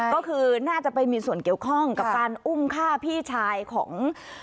ก็คือน่าจะไปมีส่วนเกี่ยวข้องกับการอุ้มฆ่าพี่ชายของ